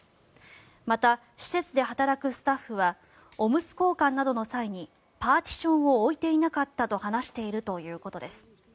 また、施設で働くスタッフはおむつ交換などの際にパーティションを置いていなかったと話しているということです。